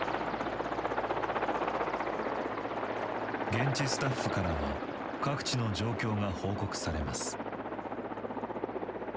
現地スタッフからは各地の状況が報告されます。